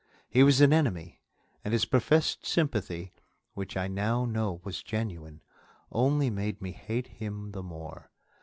He was an enemy, and his professed sympathy which I now know was genuine only made me hate him the more.